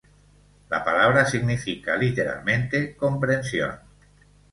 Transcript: La palabra significa literalmente ‘comprensión’.